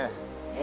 え！